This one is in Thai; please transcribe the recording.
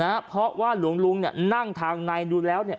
นะฮะเพราะว่าหลวงลุงเนี่ยนั่งทางในดูแล้วเนี่ย